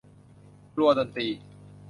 ครัวดนตรี